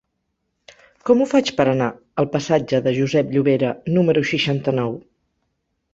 Com ho faig per anar al passatge de Josep Llovera número seixanta-nou?